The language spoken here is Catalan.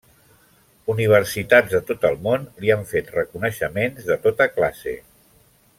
Universitats de tot el món li han fet reconeixements de tota classe.